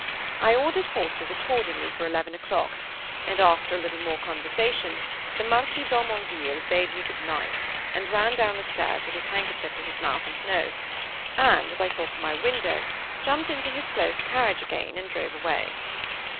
I ordered horses accordingly for eleven o'clock; and, after a little more conversation, the Marquis d'Harmonville bade me good night, and ran down the stairs with his handkerchief to his mouth and nose, and, as I saw from my window, jumped into his close carriage again and drove away.